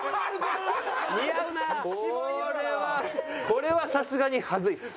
これはさすがに恥ずいです。